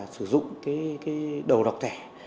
sử dụng cái đầu đọc thẻ